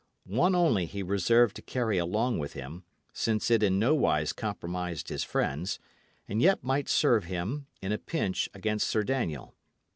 One only he reserved to carry along with him, since it in nowise compromised his friends, and yet might serve him, in a pinch, against Sir Daniel.